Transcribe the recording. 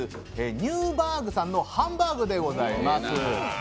ニューバーグさんのハンバークでございます。